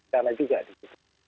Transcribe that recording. karena juga gitu